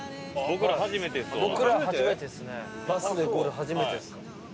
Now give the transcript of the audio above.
僕ら初めてですね。